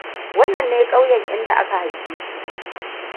Wannan ne ƙauyen inda aka haife shi.